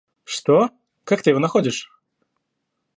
Что? Как ты его находишь?